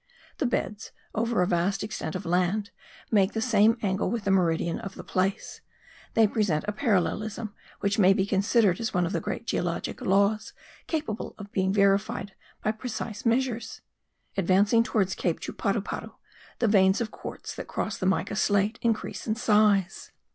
The beds, over a vast extent of land, make the same angle with the meridian of the place; they present a parallelism, which may be considered as one of the great geologic laws capable of being verified by precise measures. Advancing toward Cape Chuparuparu, the veins of quartz that cross the mica slate increase in size.